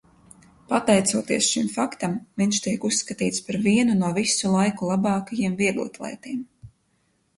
Pateicoties šim faktam, viņš tiek uzskatīts par vienu no visu laiku labākajiem vieglatlētiem.